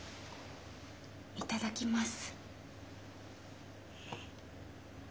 いただきます。